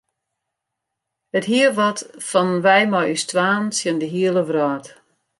It hie wat fan wy mei ús twaen tsjin de hiele wrâld.